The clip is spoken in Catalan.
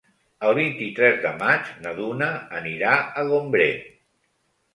El vint-i-tres de maig na Duna anirà a Gombrèn.